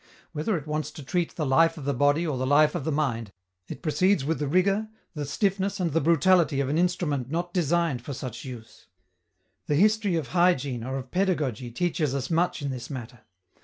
Whether it wants to treat the life of the body or the life of the mind, it proceeds with the rigor, the stiffness and the brutality of an instrument not designed for such use. The history of hygiene or of pedagogy teaches us much in this matter.